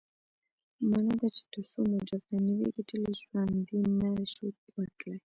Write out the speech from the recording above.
مانا دا چې ترڅو مو جګړه نه وي ګټلې ژوندي نه شو وتلای.